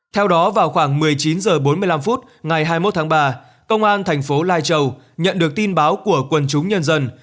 theo đó vào khoảng một mươi chín h bốn mươi năm ngày hai mươi một tháng ba công an thành phố lai châu nhận được tin báo của quần chúng nhân dân